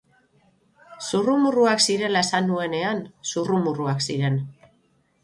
Zurrumurruak zirela esan nuenean, zurrumurruak ziren.